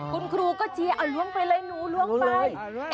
คุณครูก็เชียร์เอาล้วงไปเลยหนูล้วงไป